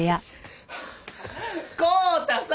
康太さん！